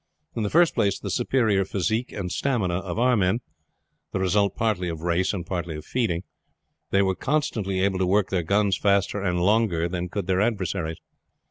In the first place, the superior physique and stamina of our men, the result partly of race and partly of feeding; they were consequently able to work their guns faster and longer than could their adversaries.